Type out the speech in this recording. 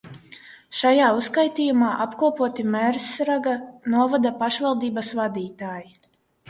Šajā uzskaitījumā apkopoti Mērsraga novada pašvaldības vadītāji.